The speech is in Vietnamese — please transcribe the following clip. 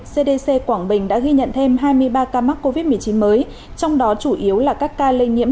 cdc quảng bình đã ghi nhận thêm hai mươi ba ca mắc covid một mươi chín mới trong đó chủ yếu là các ca lây nhiễm